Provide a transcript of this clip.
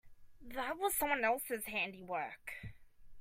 That was someone else's handy work.